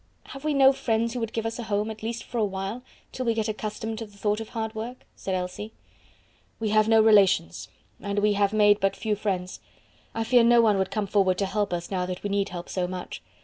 "Have we no friends who would give us a home at least for a while, till we get accustomed to the thought of hard work?" said Elsie. "We have no relations, and we have made but few friends. I fear no one would come forward to help us now that we need help so much.